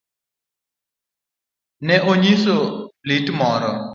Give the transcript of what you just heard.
Ne okonyiso lit moro.